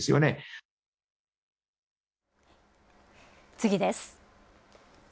次です。